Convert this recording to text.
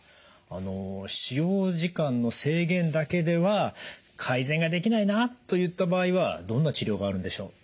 使用時間の制限だけでは改善ができないなといった場合はどんな治療があるんでしょう？